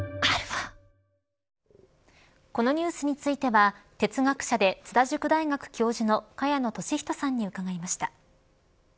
このニュースについては哲学者で津田塾大学教授の萱野稔人さんに伺いました。